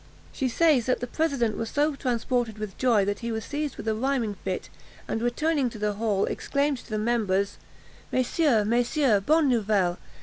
She says that the president was so transported with joy, that he was seized with a rhyming fit, and, returning into the hall, exclaimed to the members: "_Messieurs! Messieurs! bonne nouvelle!